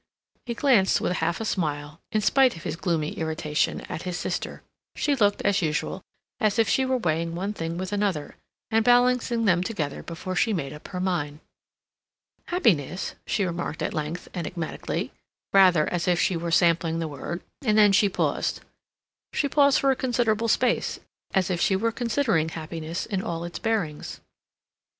He glanced with half a smile, in spite of his gloomy irritation, at his sister. She looked, as usual, as if she were weighing one thing with another, and balancing them together before she made up her mind. "Happiness," she remarked at length enigmatically, rather as if she were sampling the word, and then she paused. She paused for a considerable space, as if she were considering happiness in all its bearings.